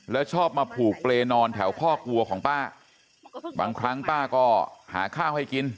แล้วชอบมาผูกเปรย์นอนแถวคอกวัวของป้าบางครั้งป้าก็หาข้าวให้กิน